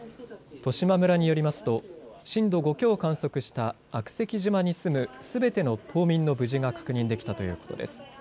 十島村によりますと震度５強を観測した悪石島に住むすべての島民の無事が確認できたということです。